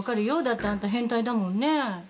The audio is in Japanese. だってあんた変態だもんね。